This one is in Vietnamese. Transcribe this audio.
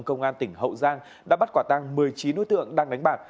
công an tỉnh hậu giang đã bắt quả tăng một mươi chín đối tượng đang đánh bạc